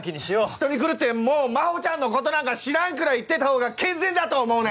嫉妬に狂ってもう真帆ちゃんのことなんか知らん！くらい言ってたほうが健全だと思うね！